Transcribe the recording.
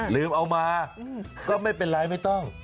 ลืมเอามาก็ไม่เป็นไรไม่ต้อง